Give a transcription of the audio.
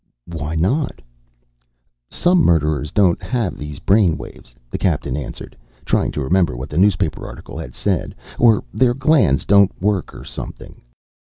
"Why not?" "Some murderers don't have these brain waves," the captain answered, trying to remember what the newspaper article had said. "Or their glands don't work or something."